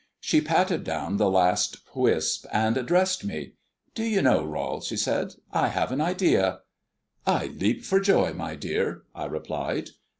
She patted down the last wisp, and addressed me. "Do you know, Rol," she said, "I have an idea." "I leap for joy, my dear," I replied.